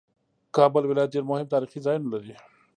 کابل ولایت ډېر مهم تاریخي ځایونه لري